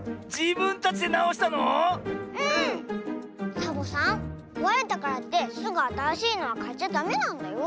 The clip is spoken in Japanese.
サボさんこわれたからってすぐあたらしいのはかっちゃダメなんだよ。